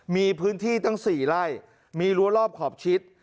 มีพื้นที่ตั้ง๔ไร่มีรั้วรอบขอบชิด